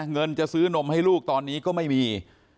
เงินจะซื้อนมให้ลูกตอนนี้ก็ไม่มี